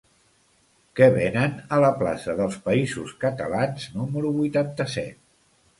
Què venen a la plaça dels Països Catalans número vuitanta-set?